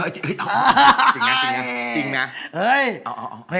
จริงนะคะ